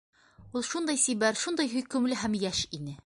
Ул... шундай сибәр, шундай һөйкөмлө һәм йәш ине!